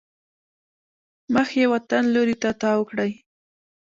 مخ یې وطن لوري ته تاو کړی.